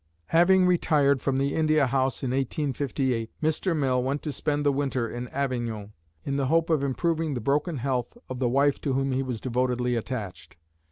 Having retired from the India House in 1858, Mr. Mill went to spend the winter in Avignon, in the hope of improving the broken health of the wife to whom he was devotedly attached.